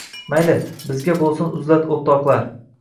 Mayli, bizga bo’lsin uzlat o’tloqlar